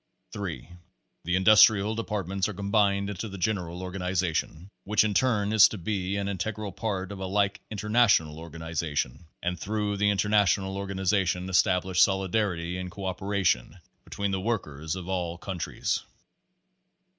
3. The Industrial Departments are combined into the General Organization, which in turn is to be an in tegral part of a like International Organization; and through the international organization establish solid rity and co operation between the workers of all coun tries.